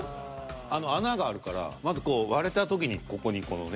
あの穴があるからまずこう割れた時にここにこのね。